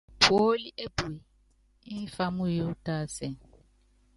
Puólí epue ḿfá muyu tásɛ.